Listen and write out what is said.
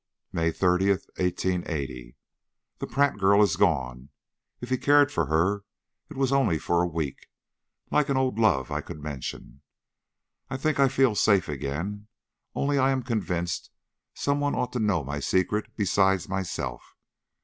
"MAY 30, 1880. The Pratt girl is gone. If he cared for her it was only for a week, like an old love I could mention. I think I feel safe again, only I am convinced some one ought to know my secret besides myself.